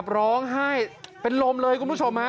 ร้องไห้เป็นลมเลยคุณผู้ชมฮะ